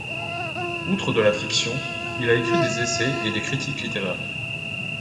Outre de la fiction, il a écrit des essais et des critiques littéraires.